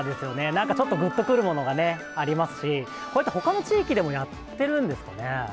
なんかちょっとぐっとくるものがね、ありますし、これって、ほかの地域でもやってるんですかね。